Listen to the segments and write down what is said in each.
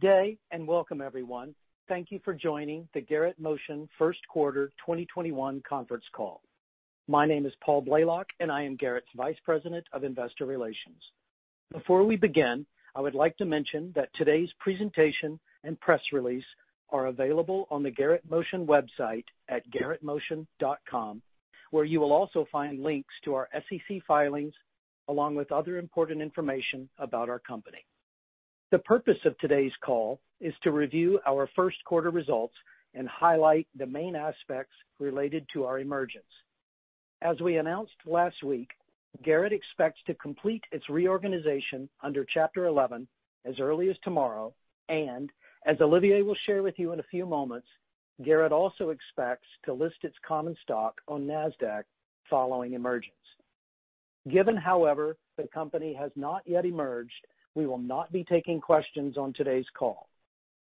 Good day. Welcome everyone. Thank you for joining the Garrett Motion first quarter 2021 conference call. My name is Paul Blalock, and I am Garrett's Vice President of Investor Relations. Before we begin, I would like to mention that today's presentation and press release are available on the Garrett Motion website at garrettmotion.com, where you will also find links to our SEC filings, along with other important information about our company. The purpose of today's call is to review our first quarter results and highlight the main aspects related to our emergence. As we announced last week, Garrett expects to complete its reorganization under chapter 11 as early as tomorrow, and as Olivier will share with you in a few moments, Garrett also expects to list its common stock on Nasdaq following emergence. Given, however, the company has not yet emerged, we will not be taking questions on today's call.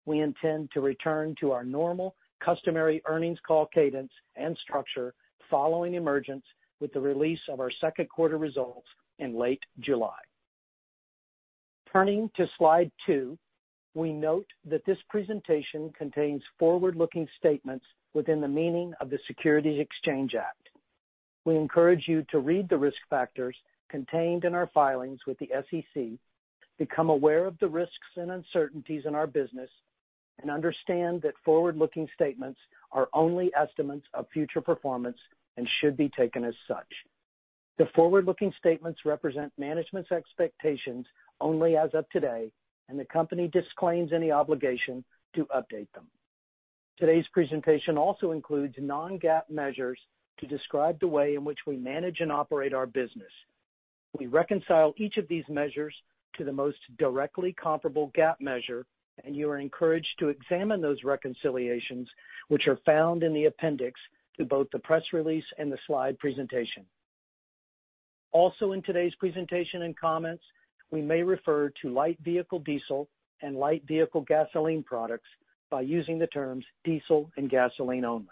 We intend to return to our normal customary earnings call cadence and structure following emergence with the release of our second quarter results in late July. Turning to slide two, we note that this presentation contains forward-looking statements within the meaning of the Securities Exchange Act. We encourage you to read the risk factors contained in our filings with the SEC, become aware of the risks and uncertainties in our business, and understand that forward-looking statements are only estimates of future performance and should be taken as such. The forward-looking statements represent management's expectations only as of today, and the company disclaims any obligation to update them. Today's presentation also includes non-GAAP measures to describe the way in which we manage and operate our business. We reconcile each of these measures to the most directly comparable GAAP measure, and you are encouraged to examine those reconciliations, which are found in the appendix to both the press release and the slide presentation. Also, in today's presentation and comments, we may refer to light vehicle diesel and light vehicle gasoline products by using the terms diesel and gasoline only.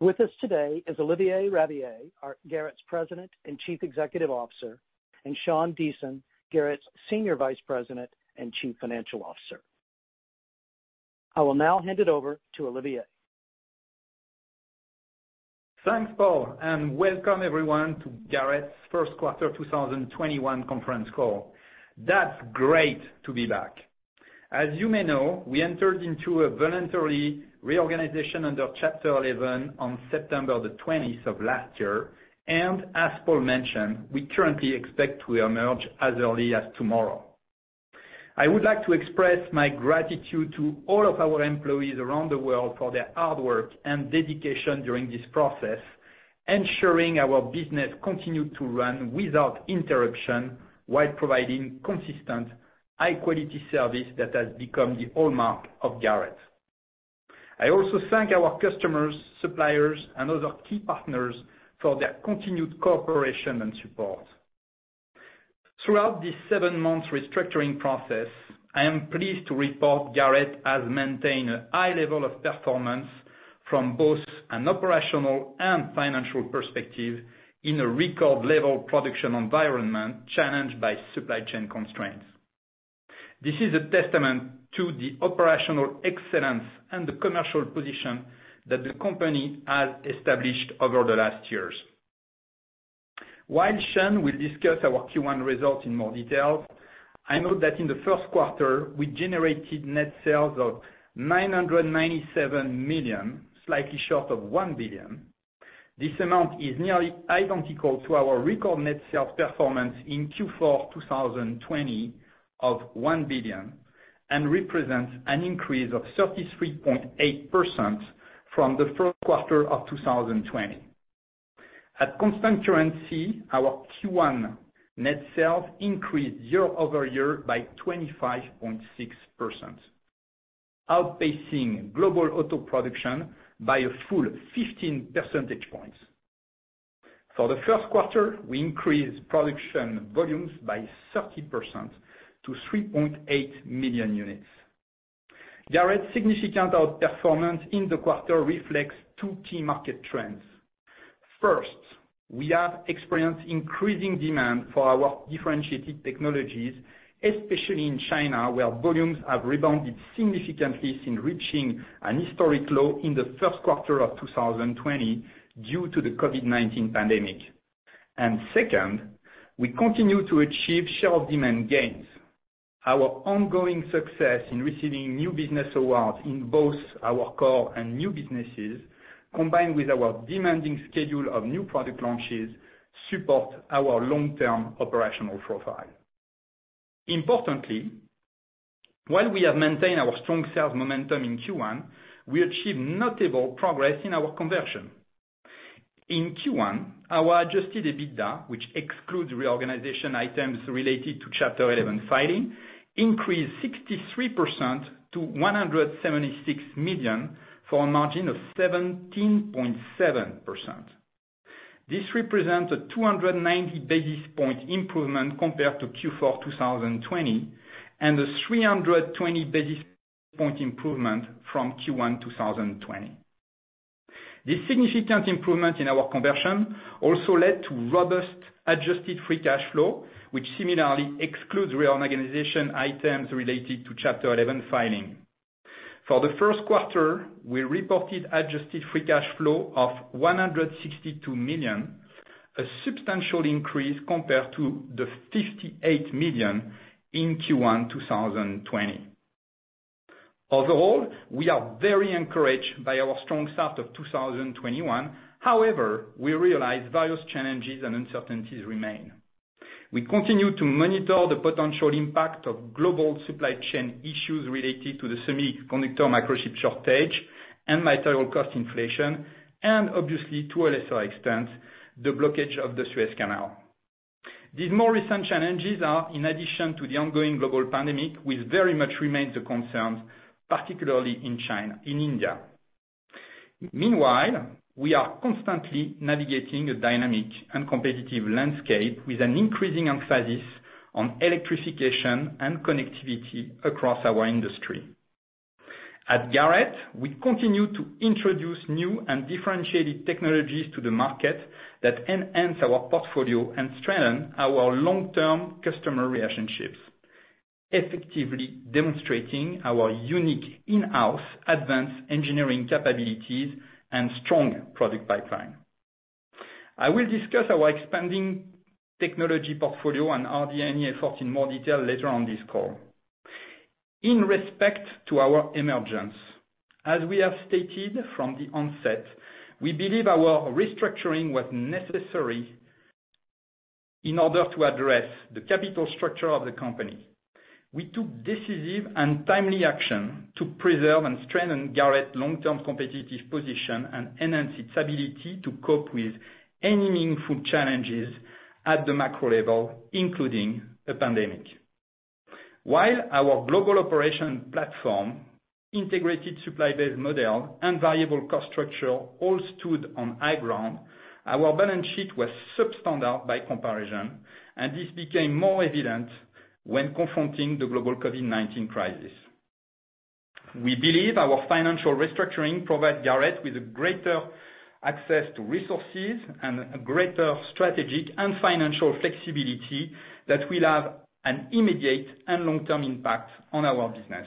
With us today is Olivier Rabiller, Garrett's President and Chief Executive Officer, and Sean Deason, Garrett's Senior Vice President and Chief Financial Officer. I will now hand it over to Olivier. Thanks, Paul, and welcome everyone to Garrett's first quarter 2021 conference call. That's great to be back. As you may know, we entered into a voluntary reorganization under chapter 11 on September the 20th of last year. As Paul mentioned, we currently expect to emerge as early as tomorrow. I would like to express my gratitude to all of our employees around the world for their hard work and dedication during this process, ensuring our business continued to run without interruption while providing consistent high-quality service that has become the hallmark of Garrett. I also thank our customers, suppliers, and other key partners for their continued cooperation and support. Throughout this seven-month restructuring process, I am pleased to report Garrett has maintained a high level of performance from both an operational and financial perspective in a record level production environment challenged by supply chain constraints. This is a testament to the operational excellence and the commercial position that the company has established over the last years. While Sean will discuss our Q1 results in more detail, I note that in the first quarter, we generated net sales of $997 million, slightly short of $1 billion. This amount is nearly identical to our record net sales performance in Q4 2020 of $1 billion and represents an increase of 33.8% from the first quarter of 2020. At constant currency, our Q1 net sales increased year-over-year by 25.6%, outpacing global auto production by a full 15 percentage points. For the first quarter, we increased production volumes by 30% to 3.8 million units. Garrett's significant outperformance in the quarter reflects two key market trends. First, we have experienced increasing demand for our differentiated technologies, especially in China, where volumes have rebounded significantly since reaching an historic low in the first quarter of 2020 due to the COVID-19 pandemic. Second, we continue to achieve share of demand gains. Our ongoing success in receiving new business awards in both our core and new businesses, combined with our demanding schedule of new product launches, support our long-term operational profile. Importantly, while we have maintained our strong sales momentum in Q1, we achieved notable progress in our conversion. In Q1, our adjusted EBITDA, which excludes reorganization items related to chapter 11 filing, increased 63% to $176 million for a margin of 17.7%. This represents a 290 basis point improvement compared to Q4 2020 and a 320 basis point improvement from Q1 2020. This significant improvement in our conversion also led to robust adjusted free cash flow, which similarly excludes reorganization items related to chapter 11 filing. For the first quarter, we reported adjusted free cash flow of $162 million, a substantial increase compared to the $58 million in Q1 2020. Overall, we are very encouraged by our strong start of 2021. However, we realize various challenges and uncertainties remain. We continue to monitor the potential impact of global supply chain issues related to the semiconductor microchip shortage and material cost inflation, and obviously to a lesser extent, the blockage of the Suez Canal. These more recent challenges are in addition to the ongoing global pandemic, which very much remains a concern, particularly in China, in India. Meanwhile, we are constantly navigating a dynamic and competitive landscape with an increasing emphasis on electrification and connectivity across our industry. At Garrett, we continue to introduce new and differentiated technologies to the market that enhance our portfolio and strengthen our long-term customer relationships, effectively demonstrating our unique in-house advanced engineering capabilities and strong product pipeline. I will discuss our expanding technology portfolio and R&D effort in more detail later on this call. In respect to our emergence, as we have stated from the onset, we believe our restructuring was necessary in order to address the capital structure of the company. We took decisive and timely action to preserve and strengthen Garrett's long-term competitive position and enhance its ability to cope with any meaningful challenges at the macro level, including a pandemic. While our global operation platform, integrated supply base model, and variable cost structure all stood on high ground, our balance sheet was substandard by comparison, and this became more evident when confronting the global COVID-19 crisis. We believe our financial restructuring provides Garrett with a greater access to resources and a greater strategic and financial flexibility that will have an immediate and long-term impact on our business.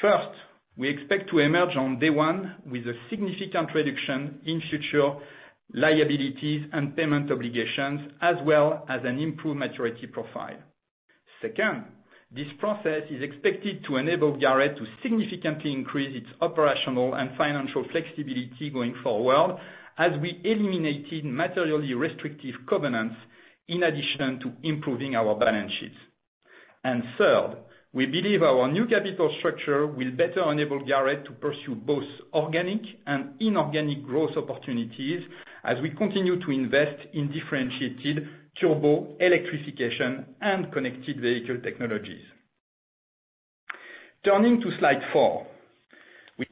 First, we expect to emerge on day one with a significant reduction in future liabilities and payment obligations, as well as an improved maturity profile. Second, this process is expected to enable Garrett to significantly increase its operational and financial flexibility going forward as we eliminated materially restrictive covenants in addition to improving our balance sheets. Third, we believe our new capital structure will better enable Garrett to pursue both organic and inorganic growth opportunities as we continue to invest in differentiated turbo electrification and connected vehicle technologies. Turning to slide four,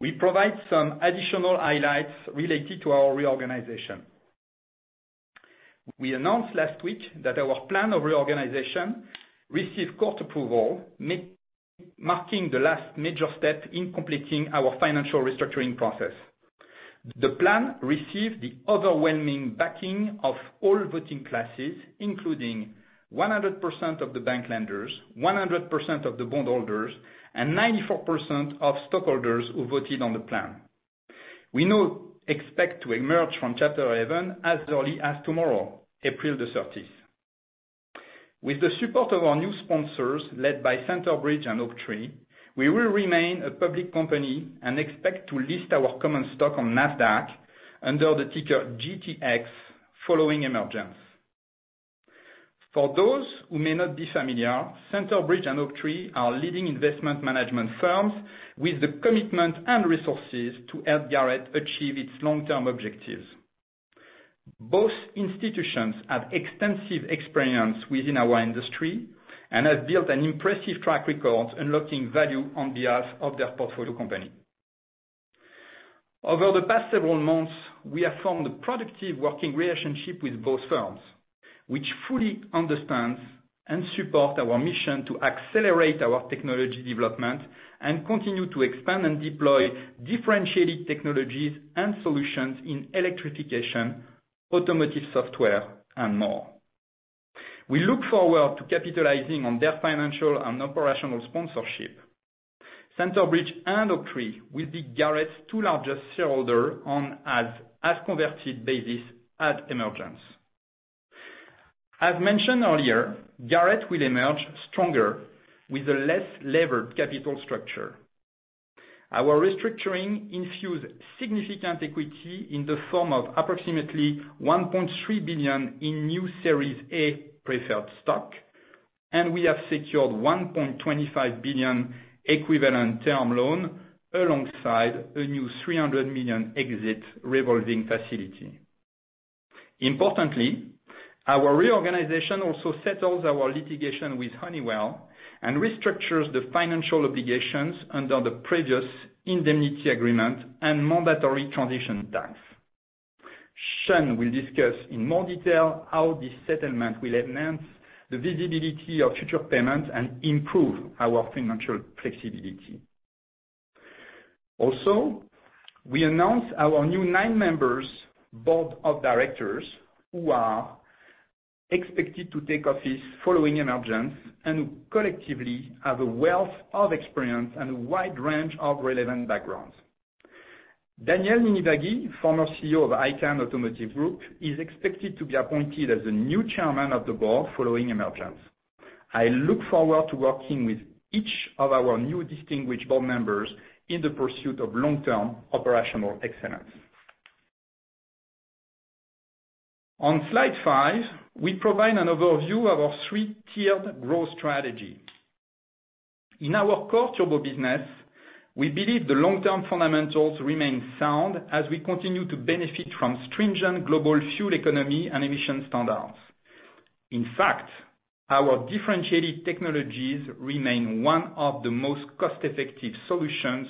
we provide some additional highlights related to our reorganization. We announced last week that our plan of reorganization received court approval, marking the last major step in completing our financial restructuring process. The plan received the overwhelming backing of all voting classes, including 100% of the bank lenders, 100% of the bondholders, and 94% of stockholders who voted on the plan. We now expect to emerge from chapter 11 as early as tomorrow, April 30th. With the support of our new sponsors, led by Centerbridge and Oaktree, we will remain a public company and expect to list our common stock on Nasdaq under the ticker GTX following emergence. For those who may not be familiar, Centerbridge and Oaktree are leading investment management firms with the commitment and resources to help Garrett achieve its long-term objectives. Both institutions have extensive experience within our industry and have built an impressive track record unlocking value on behalf of their portfolio company. Over the past several months, we have formed a productive working relationship with both firms, which fully understands and support our mission to accelerate our technology development and continue to expand and deploy differentiated technologies and solutions in electrification, automotive software, and more. We look forward to capitalizing on their financial and operational sponsorship. Centerbridge and Oaktree will be Garrett's two largest shareholder on as converted basis at emergence. As mentioned earlier, Garrett will emerge stronger with a less levered capital structure. Our restructuring infused significant equity in the form of approximately $1.3 billion in new Series A preferred stock, and we have secured $1.25 billion equivalent term loan alongside a new $300 million exit revolving facility. Importantly, our reorganization also settles our litigation with Honeywell and restructures the financial obligations under the previous indemnity agreement and mandatory transition tax. Sean will discuss in more detail how this settlement will enhance the visibility of future payments and improve our financial flexibility. We announce our new nine members Board of Directors who are expected to take office following emergence and collectively have a wealth of experience and a wide range of relevant backgrounds. Daniel Ninivaggi, former CEO of Icahn Automotive Group, is expected to be appointed as the new Chairman of the Board following emergence. I look forward to working with each of our new distinguished board members in the pursuit of long-term operational excellence. On slide five, we provide an overview of our three-tiered growth strategy. In our core turbo business, we believe the long-term fundamentals remain sound as we continue to benefit from stringent global fuel economy and emission standards. In fact, our differentiated technologies remain one of the most cost-effective solutions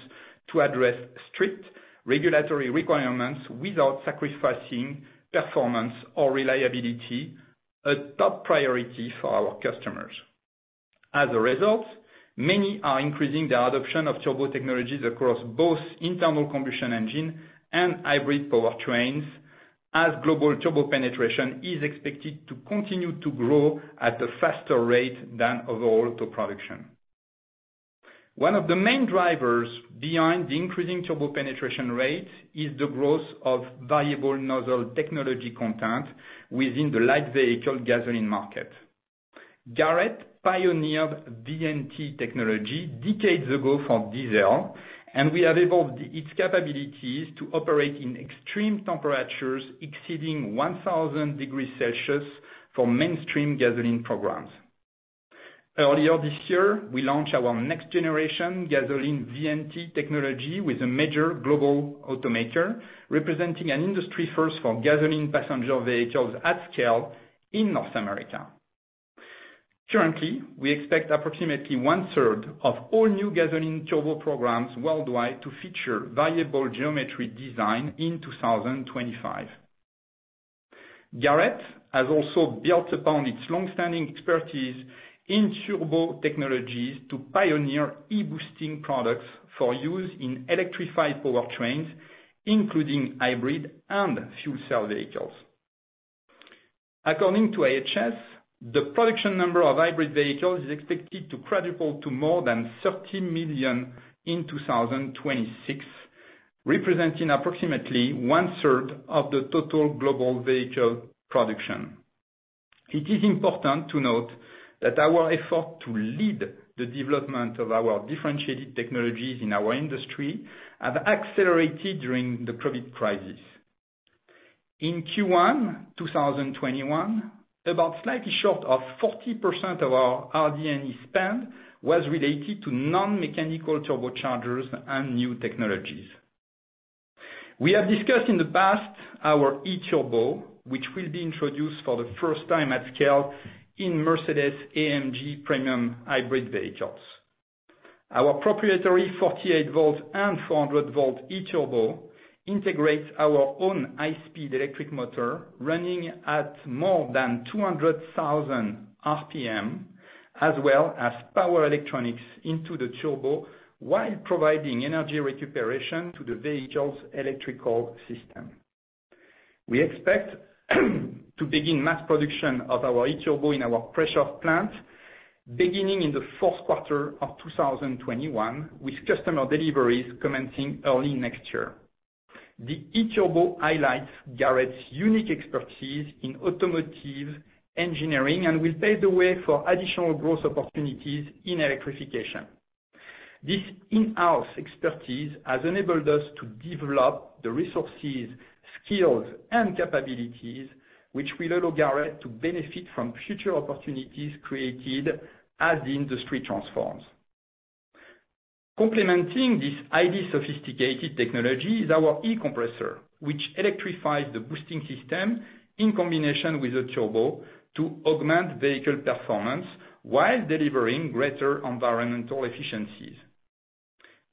to address strict regulatory requirements without sacrificing performance or reliability, a top priority for our customers. As a result, many are increasing their adoption of turbo technologies across both internal combustion engine and hybrid powertrains as global turbo penetration is expected to continue to grow at a faster rate than overall auto production. One of the main drivers behind the increasing turbo penetration rate is the growth of variable nozzle technology content within the light vehicle gasoline market. Garrett pioneered VNT technology decades ago for diesel, and we have evolved its capabilities to operate in extreme temperatures exceeding 1,000 degrees Celsius for mainstream gasoline programs. Earlier this year, we launched our next-generation gasoline VNT technology with a major global automaker, representing an industry first for gasoline passenger vehicles at scale in North America. Currently, we expect approximately one-third of all new gasoline turbo programs worldwide to feature variable geometry design in 2025. Garrett has also built upon its long-standing expertise in turbo technologies to pioneer e-boosting products for use in electrified powertrains, including hybrid and fuel cell vehicles. According to IHS, the production number of hybrid vehicles is expected to quadruple to more than 30 million in 2026, representing approximately one-third of the total global vehicle production. It is important to note that our effort to lead the development of our differentiated technologies in our industry have accelerated during the COVID crisis. In Q1 2021, about slightly short of 40% of our RD&E spend was related to non-mechanical turbochargers and new technologies. We have discussed in the past our E-Turbo, which will be introduced for the first time at scale in Mercedes-AMG premium hybrid vehicles. Our proprietary 48 V and 400 V E-Turbo integrates our own high-speed electric motor running at more than 200,000 RPM, as well as power electronics into the turbo while providing energy recuperation to the vehicle's electrical system. We expect to begin mass production of our E-Turbo in our Prešov plant beginning in the fourth quarter of 2021, with customer deliveries commencing early next year. The E-Turbo highlights Garrett's unique expertise in automotive engineering and will pave the way for additional growth opportunities in electrification. This in-house expertise has enabled us to develop the resources, skills, and capabilities which will allow Garrett to benefit from future opportunities created as the industry transforms. Complementing this highly sophisticated technology is our E-Compressor, which electrifies the boosting system in combination with a turbo to augment vehicle performance while delivering greater environmental efficiencies.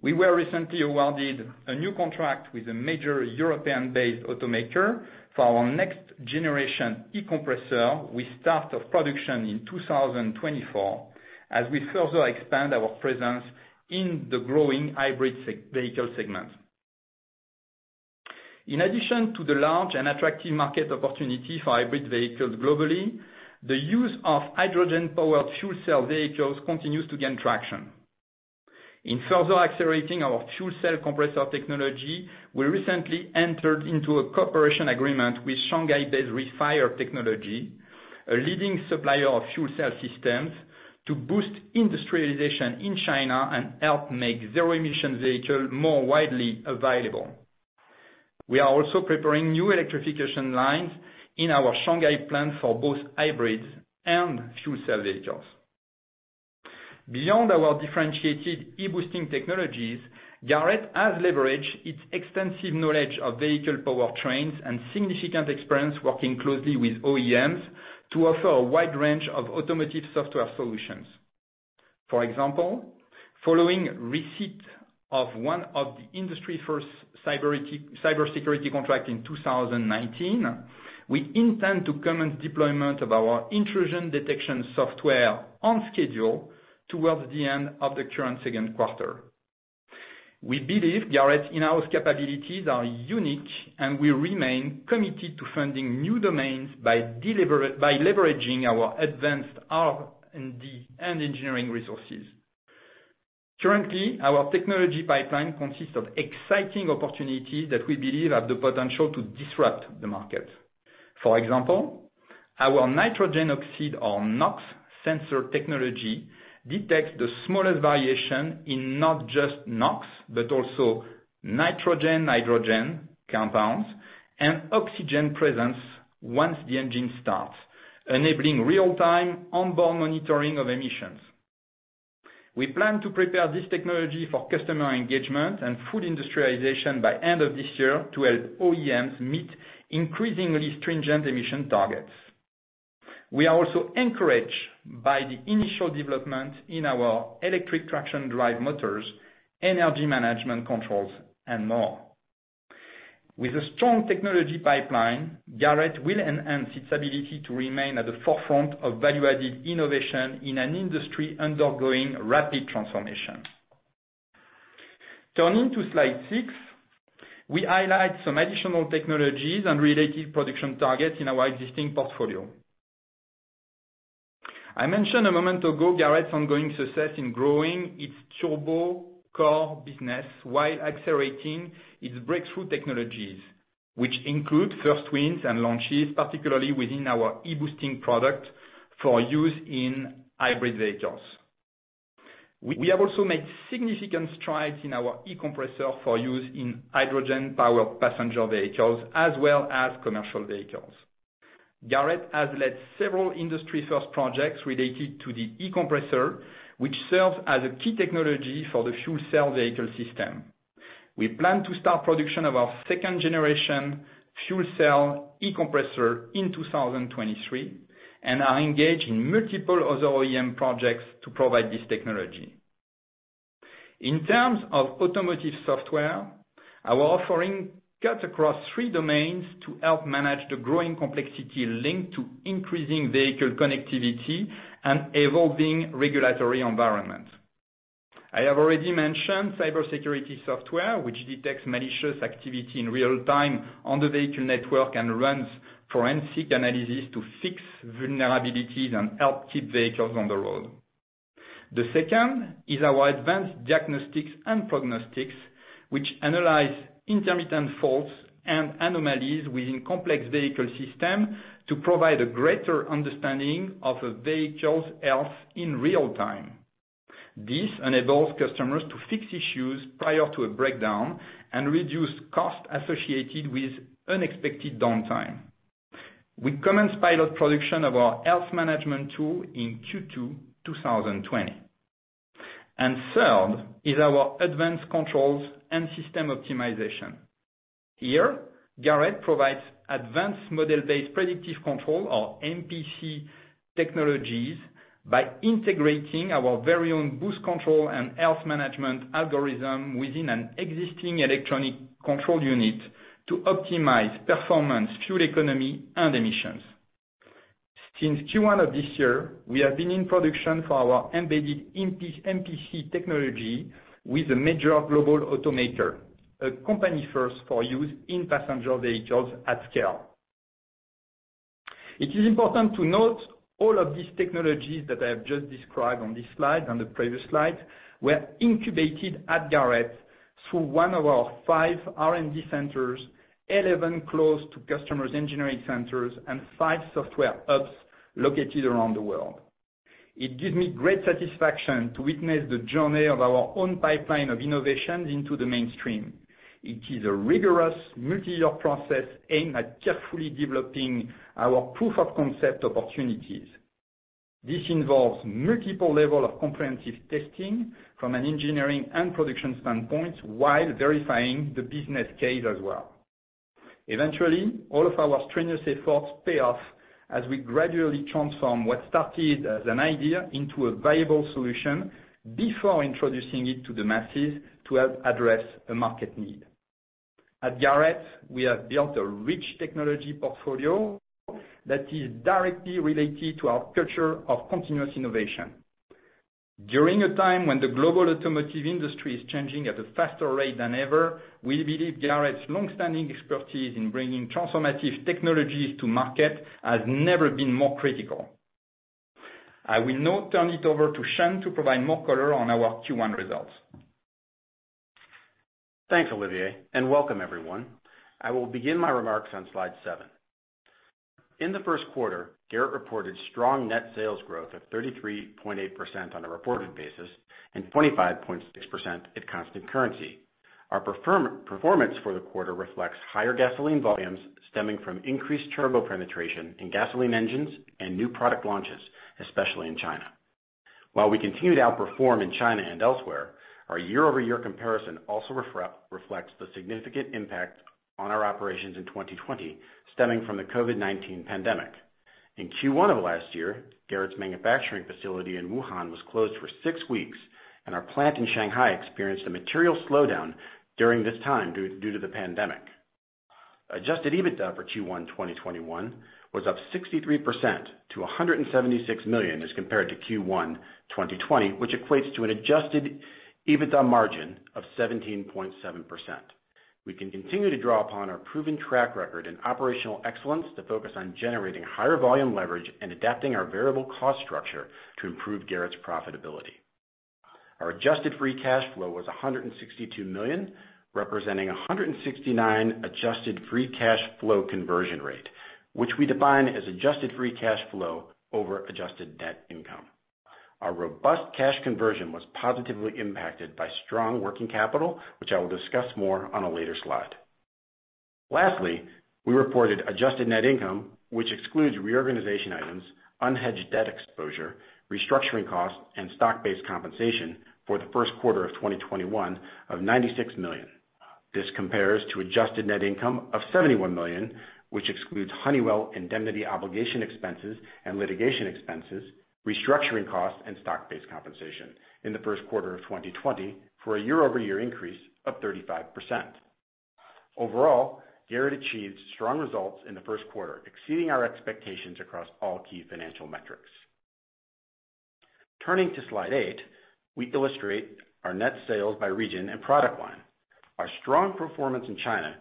We were recently awarded a new contract with a major European-based automaker for our next-generation E-Compressor with start of production in 2024 as we further expand our presence in the growing hybrid vehicle segment. In addition to the large and attractive market opportunity for hybrid vehicles globally, the use of hydrogen-powered fuel cell vehicles continues to gain traction. In further accelerating our fuel cell compressor technology, we recently entered into a cooperation agreement with Shanghai-based REFIRE Technology, a leading supplier of fuel cell systems, to boost industrialization in China and help make zero-emission vehicle more widely available. We are also preparing new electrification lines in our Shanghai plant for both hybrids and fuel cell vehicles. Beyond our differentiated e-boosting technologies, Garrett has leveraged its extensive knowledge of vehicle powertrains and significant experience working closely with OEMs to offer a wide range of automotive software solutions. For example, following receipt of one of the industry first cybersecurity contract in 2019, we intend to commence deployment of our intrusion detection software on schedule towards the end of the current second quarter. We believe Garrett in-house capabilities are unique, and we remain committed to funding new domains by leveraging our advanced R&D and engineering resources. Currently, our technology pipeline consists of exciting opportunities that we believe have the potential to disrupt the market. For example, our nitrogen oxide or NOx sensor technology detects the smallest variation in not just NOx, but also nitrogen, hydrogen compounds and oxygen presence once the engine starts, enabling real-time onboard monitoring of emissions. We plan to prepare this technology for customer engagement and full industrialization by end of this year to help OEMs meet increasingly stringent emission targets. We are also encouraged by the initial development in our electric traction drive motors, energy management controls, and more. With a strong technology pipeline, Garrett will enhance its ability to remain at the forefront of value-added innovation in an industry undergoing rapid transformation. Turning to slide six, we highlight some additional technologies and related production targets in our existing portfolio. I mentioned a moment ago, Garrett's ongoing success in growing its turbo core business while accelerating its breakthrough technologies, which include first wins and launches, particularly within our e-boosting product for use in hybrid vehicles. We have also made significant strides in our E-Compressor for use in hydrogen-powered passenger vehicles, as well as commercial vehicles. Garrett has led several industry-first projects related to the E-Compressor, which serves as a key technology for the fuel cell vehicle system. We plan to start production of our second generation fuel cell E-Compressor in 2023 and are engaged in multiple other OEM projects to provide this technology. In terms of automotive software, our offering cuts across three domains to help manage the growing complexity linked to increasing vehicle connectivity and evolving regulatory environment. I have already mentioned cybersecurity software, which detects malicious activity in real time on the vehicle network and runs forensic analysis to fix vulnerabilities and help keep vehicles on the road. The second is our advanced diagnostics and prognostics, which analyze intermittent faults and anomalies within complex vehicle system to provide a greater understanding of a vehicle's health in real time. This enables customers to fix issues prior to a breakdown and reduce cost associated with unexpected downtime. We commenced pilot production of our health management tool in Q2 2020, and third is our advanced controls and system optimization. Here, Garrett provides advanced model-based predictive control or MPC technologies by integrating our very own boost control and health management algorithm within an existing electronic control unit to optimize performance, fuel economy, and emissions. Since Q1 of this year, we have been in production for our embedded MPC technology with a major global automaker, a company first for use in passenger vehicles at scale. It is important to note all of these technologies that I have just described on this slide and the previous slide were incubated at Garrett through one of our five R&D centers, 11 close to customers engineering centers, and five software hubs located around the world. It gives me great satisfaction to witness the journey of our own pipeline of innovations into the mainstream. It is a rigorous multi-year process aimed at carefully developing our proof of concept opportunities. This involves multiple level of comprehensive testing from an engineering and production standpoint while verifying the business case as well. Eventually, all of our strenuous efforts pay off as we gradually transform what started as an idea into a viable solution before introducing it to the masses to help address a market need. At Garrett, we have built a rich technology portfolio that is directly related to our culture of continuous innovation. During a time when the global automotive industry is changing at a faster rate than ever, we believe Garrett's long-standing expertise in bringing transformative technologies to market has never been more critical. I will now turn it over to Sean to provide more color on our Q1 results. Thanks, Olivier, and welcome everyone. I will begin my remarks on slide seven. In the first quarter, Garrett reported strong net sales growth of 33.8% on a reported basis and 25.6% at constant currency. Our performance for the quarter reflects higher gasoline volumes stemming from increased turbo penetration in gasoline engines and new product launches, especially in China. While we continue to outperform in China and elsewhere, our year-over-year comparison also reflects the significant impact on our operations in 2020 stemming from the COVID-19 pandemic. In Q1 of last year, Garrett's manufacturing facility in Wuhan was closed for six weeks, and our plant in Shanghai experienced a material slowdown during this time due to the pandemic. Adjusted EBITDA for Q1 2021 was up 63% to $176 million as compared to Q1 2020, which equates to an adjusted EBITDA margin of 17.7%. We can continue to draw upon our proven track record in operational excellence to focus on generating higher volume leverage and adapting our variable cost structure to improve Garrett's profitability. Our adjusted free cash flow was $162 million, representing 169% adjusted free cash flow conversion rate, which we define as adjusted free cash flow over adjusted net income. Our robust cash conversion was positively impacted by strong working capital, which I will discuss more on a later slide. Lastly, we reported adjusted net income, which excludes reorganization items, unhedged debt exposure, restructuring costs, and stock-based compensation for the first quarter of 2021 of $96 million. This compares to adjusted net income of $71 million, which excludes Honeywell indemnity obligation expenses and litigation expenses, restructuring costs, and stock-based compensation in the first quarter of 2020 for a year-over-year increase of 35%. Overall, Garrett achieved strong results in the first quarter, exceeding our expectations across all key financial metrics. Turning to slide eight, we illustrate our net sales by region and product line. Our strong performance in China,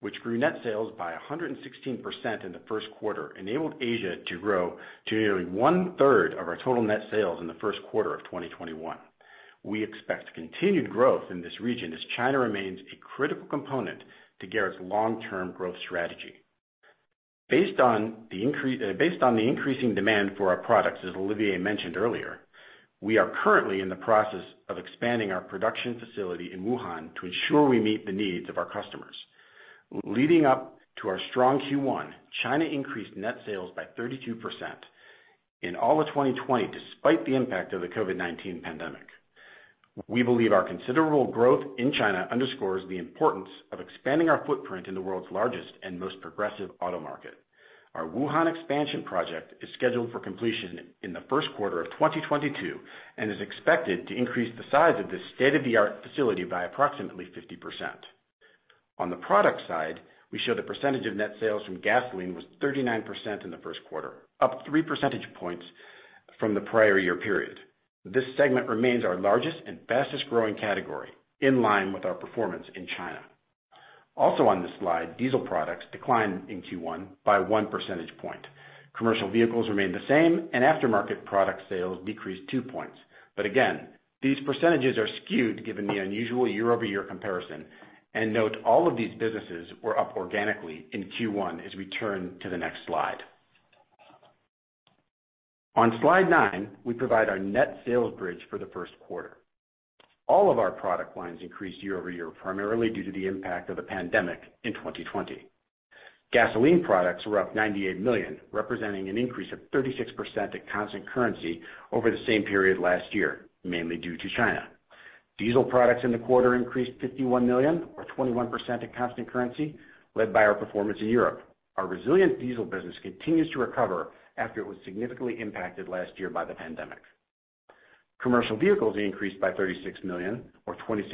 which grew net sales by 116% in the first quarter, enabled Asia to grow to nearly one-third of our total net sales in the first quarter of 2021. We expect continued growth in this region as China remains a critical component to Garrett's long-term growth strategy. Based on the increasing demand for our products, as Olivier mentioned earlier, we are currently in the process of expanding our production facility in Wuhan to ensure we meet the needs of our customers. Leading up to our strong Q1, China increased net sales by 32% in all of 2020, despite the impact of the COVID-19 pandemic. We believe our considerable growth in China underscores the importance of expanding our footprint in the world's largest and most progressive auto market. Our Wuhan expansion project is scheduled for completion in the first quarter of 2022 and is expected to increase the size of this state-of-the-art facility by approximately 50%. On the product side, we show the percentage of net sales from gasoline was 39% in the first quarter, up three percentage points from the prior year period. This segment remains our largest and fastest-growing category, in line with our performance in China. Also on this slide, diesel products declined in Q1 by one percentage point. Commercial vehicles remained the same. Aftermarket product sales decreased two points. Again, these percentages are skewed given the unusual year-over-year comparison. Note, all of these businesses were up organically in Q1 as we turn to the next slide. On slide nine, we provide our net sales bridge for the first quarter. All of our product lines increased year-over-year, primarily due to the impact of the pandemic in 2020. Gasoline products were up $98 million, representing an increase of 36% at constant currency over the same period last year, mainly due to China. Diesel products in the quarter increased $51 million or 21% at constant currency, led by our performance in Europe. Our resilient diesel business continues to recover after it was significantly impacted last year by the pandemic. Commercial vehicles increased by $36 million or 26%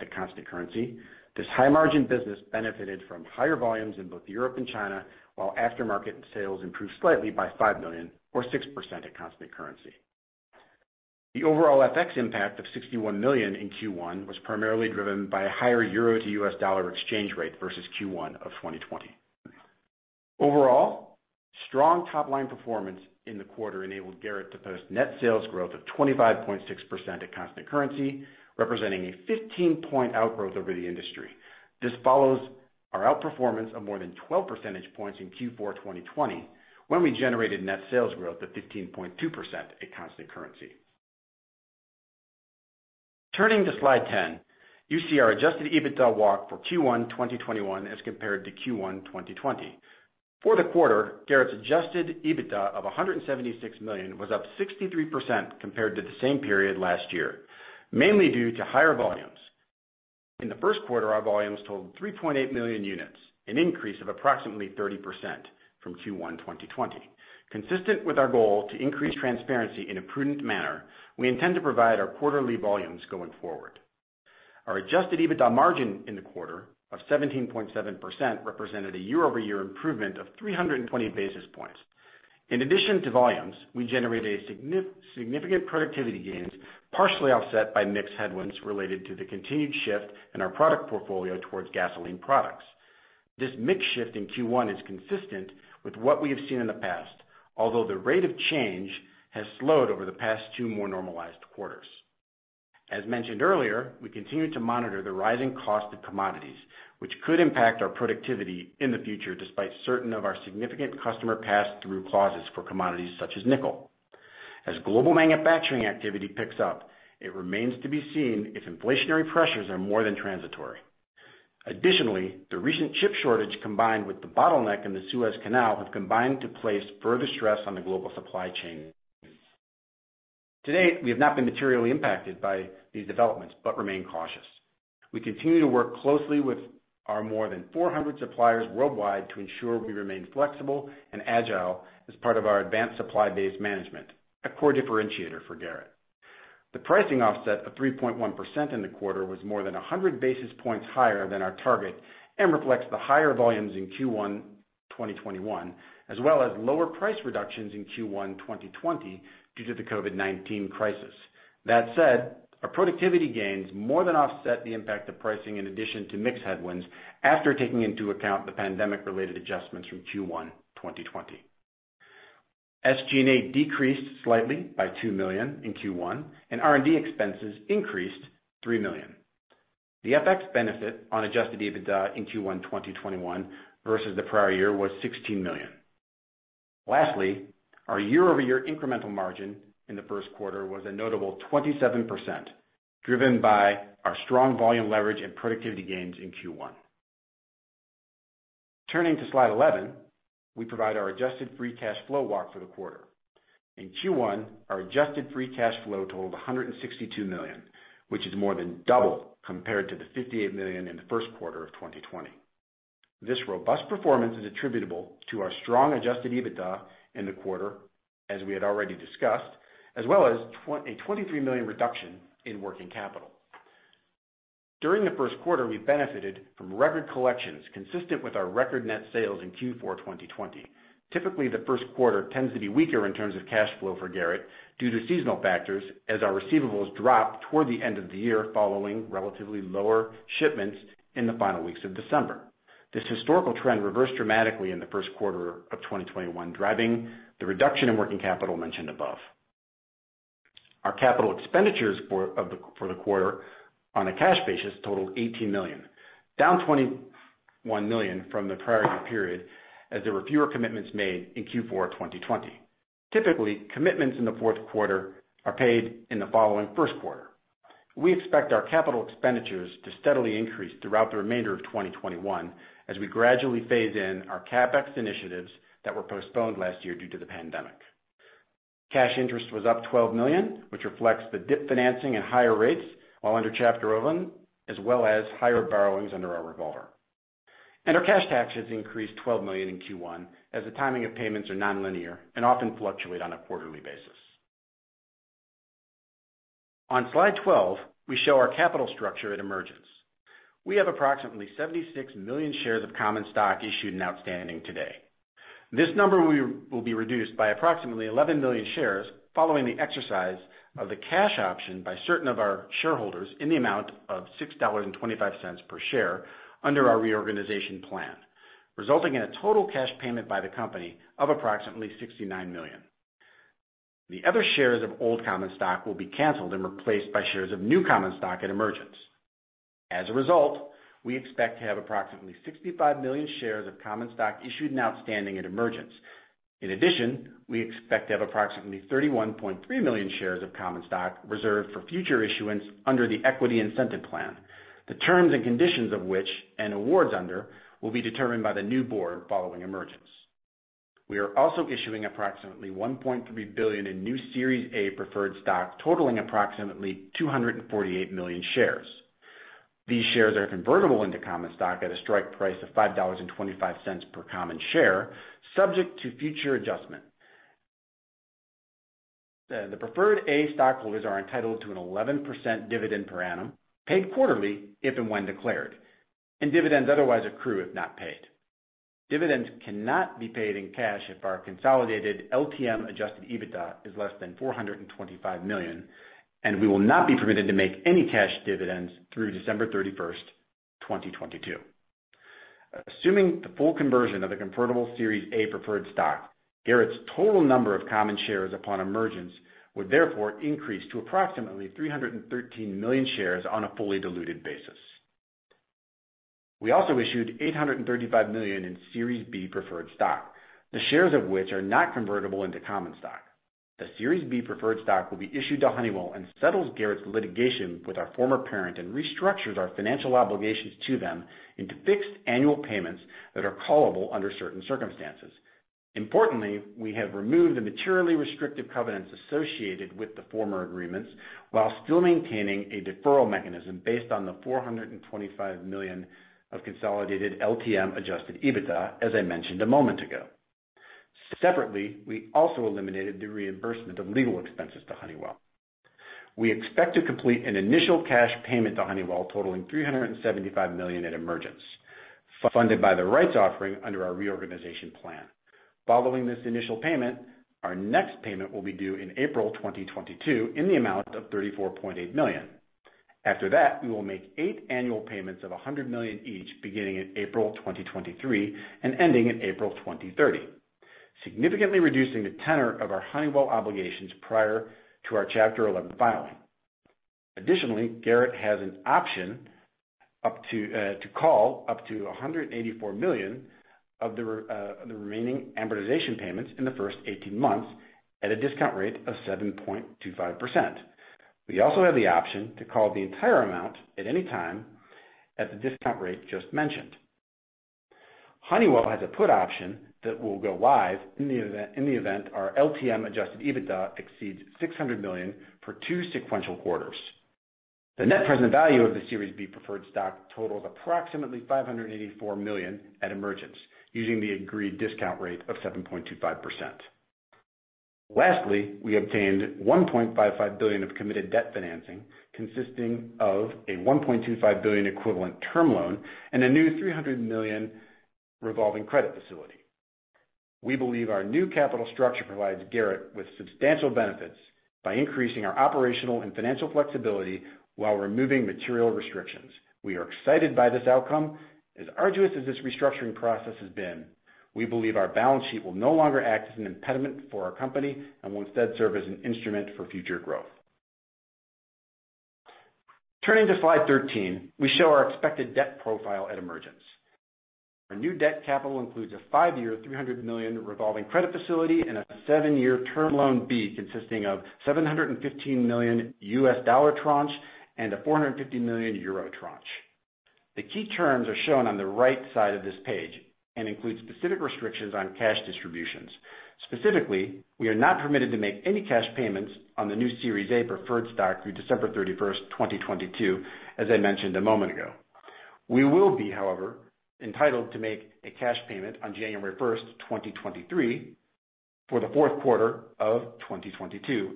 at constant currency. This high-margin business benefited from higher volumes in both Europe and China, while aftermarket sales improved slightly by $5 million or 6% at constant currency. The overall FX impact of $61 million in Q1 was primarily driven by a higher euro to US dollar exchange rate versus Q1 of 2020. Overall, strong top-line performance in the quarter enabled Garrett to post net sales growth of 25.6% at constant currency, representing a 15-point outgrowth over the industry. This follows our outperformance of more than 12 percentage points in Q4 2020, when we generated net sales growth of 15.2% at constant currency. Turning to slide 10, you see our adjusted EBITDA walk for Q1 2021 as compared to Q1 2020. For the quarter, Garrett's adjusted EBITDA of $176 million was up 63% compared to the same period last year, mainly due to higher volumes. In the first quarter, our volumes totaled 3.8 million units, an increase of approximately 30% from Q1 2020. Consistent with our goal to increase transparency in a prudent manner, we intend to provide our quarterly volumes going forward. Our adjusted EBITDA margin in the quarter of 17.7% represented a year-over-year improvement of 320 basis points. In addition to volumes, we generated significant productivity gains, partially offset by mix headwinds related to the continued shift in our product portfolio towards gasoline products. This mix shift in Q1 is consistent with what we have seen in the past, although the rate of change has slowed over the past two more normalized quarters. As mentioned earlier, we continue to monitor the rising cost of commodities, which could impact our productivity in the future despite certain of our significant customer pass-through clauses for commodities such as nickel. As global manufacturing activity picks up, it remains to be seen if inflationary pressures are more than transitory. The recent chip shortage combined with the bottleneck in the Suez Canal have combined to place further stress on the global supply chain. To date, we have not been materially impacted by these developments but remain cautious. We continue to work closely with our more than 400 suppliers worldwide to ensure we remain flexible and agile as part of our advanced supply base management, a core differentiator for Garrett. The pricing offset of 3.1% in the quarter was more than 100 basis points higher than our target and reflects the higher volumes in Q1 2021, as well as lower price reductions in Q1 2020 due to the COVID-19 crisis. Our productivity gains more than offset the impact of pricing in addition to mix headwinds after taking into account the pandemic-related adjustments from Q1 2020. SG&A decreased slightly by $2 million in Q1, and R&D expenses increased $3 million. The FX benefit on adjusted EBITDA in Q1 2021 versus the prior year was $16 million. Lastly, our year-over-year incremental margin in the first quarter was a notable 27%, driven by our strong volume leverage and productivity gains in Q1. Turning to slide 11, we provide our adjusted free cash flow walk for the quarter. In Q1, our adjusted free cash flow totaled $162 million, which is more than double compared to the $58 million in the first quarter of 2020. This robust performance is attributable to our strong adjusted EBITDA in the quarter, as we had already discussed, as well as a $23 million reduction in working capital. During the first quarter, we benefited from record collections consistent with our record net sales in Q4 2020. Typically, the first quarter tends to be weaker in terms of cash flow for Garrett due to seasonal factors as our receivables drop toward the end of the year following relatively lower shipments in the final weeks of December. This historical trend reversed dramatically in the first quarter of 2021, driving the reduction in working capital mentioned above. Our capital expenditures for the quarter on a cash basis totaled $18 million, down $21 million from the prior period as there were fewer commitments made in Q4 2020. Typically, commitments in the fourth quarter are paid in the following first quarter. We expect our capital expenditures to steadily increase throughout the remainder of 2021 as we gradually phase in our CapEx initiatives that were postponed last year due to the pandemic. Cash interest was up $12 million, which reflects the DIP financing at higher rates while under chapter 11, as well as higher borrowings under our revolver. Our cash taxes increased $12 million in Q1 as the timing of payments are nonlinear and often fluctuate on a quarterly basis. On slide 12, we show our capital structure at emergence. We have approximately 76 million shares of common stock issued and outstanding today. This number will be reduced by approximately 11 million shares following the exercise of the cash option by certain of our shareholders in the amount of $6.25 per share under our reorganization plan, resulting in a total cash payment by the company of approximately $69 million. The other shares of old common stock will be canceled and replaced by shares of new common stock at emergence. As a result, we expect to have approximately 65 million shares of common stock issued and outstanding at emergence. In addition, we expect to have approximately 31.3 million shares of common stock reserved for future issuance under the equity incentive plan. The terms and conditions of which awards under will be determined by the new board following emergence. We are also issuing approximately $1.3 billion in new Series A preferred stock, totaling approximately 248 million shares. These shares are convertible into common stock at a strike price of $5.25 per common share, subject to future adjustment. The Preferred A stockholders are entitled to an 11% dividend per annum, paid quarterly if and when declared, and dividends otherwise accrue if not paid. Dividends cannot be paid in cash if our consolidated LTM adjusted EBITDA is less than $425 million, and we will not be permitted to make any cash dividends through December 31st, 2022. Assuming the full conversion of the convertible Series A preferred stock, Garrett's total number of common shares upon emergence would therefore increase to approximately 313 million shares on a fully diluted basis. We also issued $835 million in Series B preferred stock, the shares of which are not convertible into common stock. The Series B preferred stock will be issued to Honeywell and settles Garrett's litigation with our former parent and restructures our financial obligations to them into fixed annual payments that are callable under certain circumstances. Importantly, we have removed the materially restrictive covenants associated with the former agreements while still maintaining a deferral mechanism based on the $425 million of consolidated LTM adjusted EBITDA, as I mentioned a moment ago. Separately, we also eliminated the reimbursement of legal expenses to Honeywell. We expect to complete an initial cash payment to Honeywell totaling $375 million at emergence, funded by the rights offering under our reorganization plan. Following this initial payment, our next payment will be due in April 2022 in the amount of $34.8 million. After that, we will make eight annual payments of $100 million each beginning in April 2023 and ending in April 2030, significantly reducing the tenor of our Honeywell obligations prior to our chapter 11 filing. Additionally, Garrett has an option to call up to $184 million of the remaining amortization payments in the first 18 months at a discount rate of 7.25%. We also have the option to call the entire amount at any time at the discount rate just mentioned. Honeywell has a put option that will go live in the event our LTM adjusted EBITDA exceeds $600 million for two sequential quarters. The net present value of the Series B preferred stock totals approximately $584 million at emergence, using the agreed discount rate of 7.25%. Lastly, we obtained $1.55 billion of committed debt financing consisting of a $1.25 billion equivalent term loan and a new $300 million revolving credit facility. We believe our new capital structure provides Garrett with substantial benefits by increasing our operational and financial flexibility while removing material restrictions. We are excited by this outcome. As arduous as this restructuring process has been, we believe our balance sheet will no longer act as an impediment for our company and will instead serve as an instrument for future growth. Turning to slide 13, we show our expected debt profile at emergence. Our new debt capital includes a five-year $300 million revolving credit facility and a seven-year term loan B consisting of a $715 million US dollar tranche and a 450 million euro tranche. The key terms are shown on the right side of this page and include specific restrictions on cash distributions. Specifically, we are not permitted to make any cash payments on the new Series A preferred stock through December 31st, 2022, as I mentioned a moment ago. We will be, however, entitled to make a cash payment on January 1st, 2023, for the fourth quarter of 2022,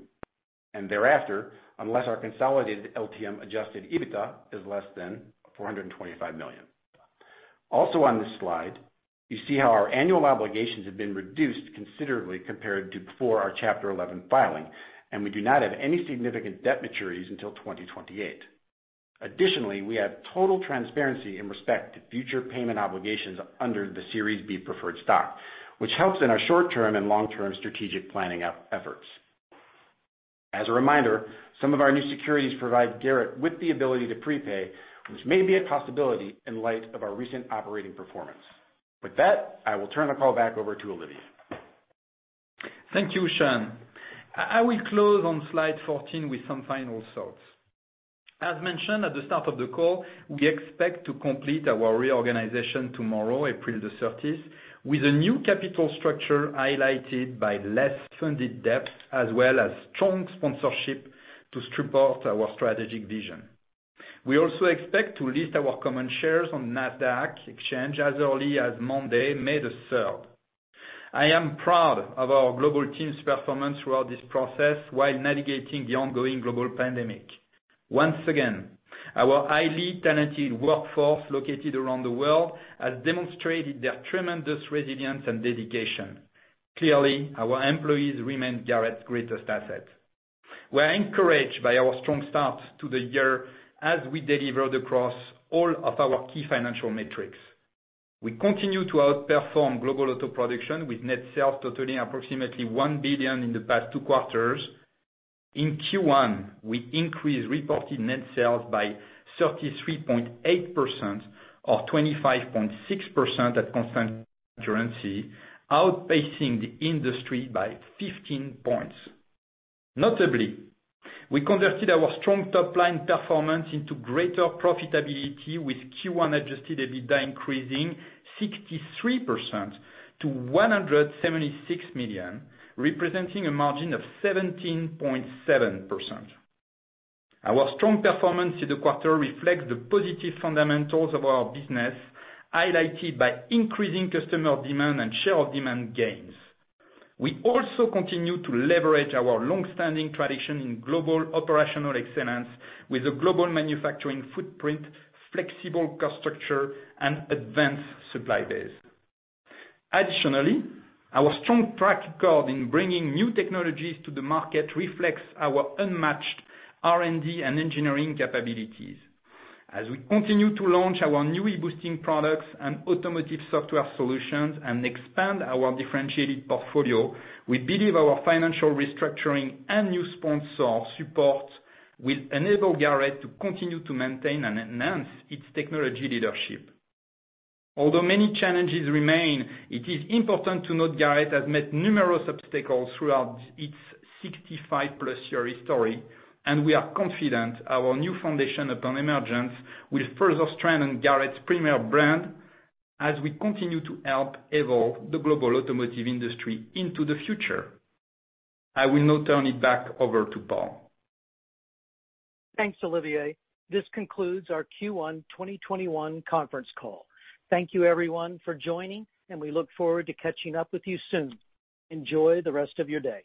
and thereafter, unless our consolidated LTM adjusted EBITDA is less than $425 million. On this slide, you see how our annual obligations have been reduced considerably compared to before our chapter 11 filing, and we do not have any significant debt maturities until 2028. Additionally, we have total transparency in respect to future payment obligations under the Series B preferred stock, which helps in our short-term and long-term strategic planning efforts. As a reminder, some of our new securities provide Garrett with the ability to prepay, which may be a possibility in light of our recent operating performance. With that, I will turn the call back over to Olivier. Thank you, Sean. I will close on slide 14 with some final thoughts. As mentioned at the start of the call, we expect to complete our reorganization tomorrow, April the 30th, with a new capital structure highlighted by less funded debt, as well as strong sponsorship to support our strategic vision. We also expect to list our common shares on the Nasdaq as early as Monday, May the 3rd. I am proud of our global team's performance throughout this process while navigating the ongoing global pandemic. Once again, our highly talented workforce located around the world has demonstrated their tremendous resilience and dedication. Clearly, our employees remain Garrett's greatest asset. We are encouraged by our strong start to the year as we delivered across all of our key financial metrics. We continue to outperform global auto production, with net sales totaling approximately $1 billion in the past two quarters. In Q1, we increased reported net sales by 33.8%, or 25.6% at constant currency, outpacing the industry by 15 points. Notably, we converted our strong top-line performance into greater profitability, with Q1 adjusted EBITDA increasing 63% to $176 million, representing a margin of 17.7%. Our strong performance through the quarter reflects the positive fundamentals of our business, highlighted by increasing customer demand and share of demand gains. We also continue to leverage our longstanding tradition in global operational excellence with a global manufacturing footprint, flexible cost structure, and advanced supply base. Additionally, our strong track record in bringing new technologies to the market reflects our unmatched R&D and engineering capabilities. As we continue to launch our new e-boosting products and automotive software solutions and expand our differentiated portfolio, we believe our financial restructuring and new sponsor support will enable Garrett to continue to maintain and enhance its technology leadership. Although many challenges remain, it is important to note Garrett has met numerous obstacles throughout its 65+ year history. We are confident our new foundation upon emergence will further strengthen Garrett's premier brand as we continue to help evolve the global automotive industry into the future. I will now turn it back over to Paul. Thanks, Olivier. This concludes our Q1 2021 conference call. Thank you, everyone, for joining, and we look forward to catching up with you soon. Enjoy the rest of your day.